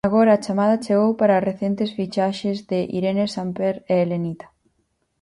Agora a chamada chegou para as recentes fichaxes de Irene Samper e Elenita.